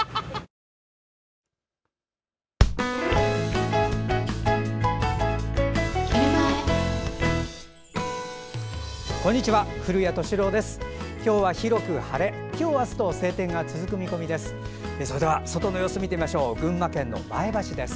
今日、明日と晴天が続く見込みです。